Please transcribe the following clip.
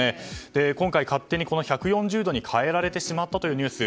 今回、勝手に１４０度に変えられてしまったというニュース。